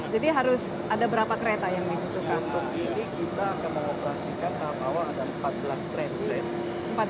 jadi harus ada berapa kereta yang dihentikan